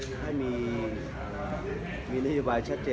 ในฐานะที่เราก็อยู่ในภักร์แล้วก็บังกับด้วย